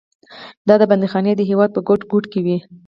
دا بندیخانې د هېواد په ګوټ ګوټ کې وې.